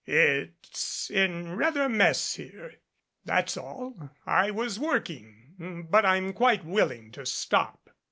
It's in rather a mess here, that's all. I was working, but I'm quite willing to stop."